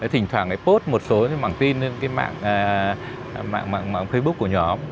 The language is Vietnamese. thỉnh thoảng post một số bản tin lên mạng facebook của nhóm